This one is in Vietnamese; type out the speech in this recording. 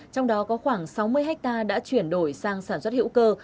trong đó có khoảng sáu mươi hectare đã chuyển đổi sang sản xuất hữu cơ